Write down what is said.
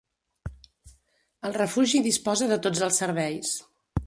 El refugi disposa de tots els serveis.